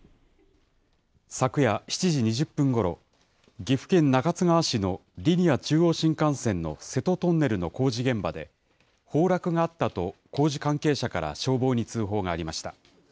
昨夜７時２０分ごろ、岐阜県中津川市のリニア中央新幹線の瀬戸トンネルの工事現場で、崩落があったと工事関係者から消防に通報がありました。